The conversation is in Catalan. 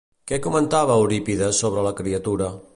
Què comentava Eurípides sobre la criatura?